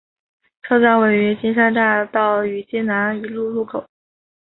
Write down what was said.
车站位于金山大道与金南一路路口。